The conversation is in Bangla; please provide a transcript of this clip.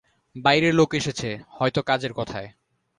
বাইরে লোক এসেছে, হয়তো কাজের কথায়।